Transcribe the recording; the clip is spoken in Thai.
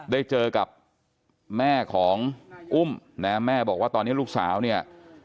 ได้เจอกับแม่ของอุ้มนะแม่บอกว่าตอนนี้ลูกสาวเนี่ย